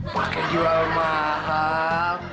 pakai jual mahal